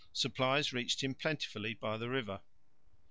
Supplies reached him plentifully by the river.